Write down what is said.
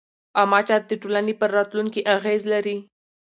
عامه چارې د ټولنې پر راتلونکي اغېز لري.